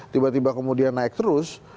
tiba tiba kemudian naik terus